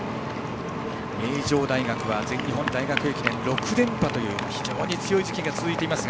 名城大学は全日本大学駅伝６連覇という非常に強い時期が続いていますが。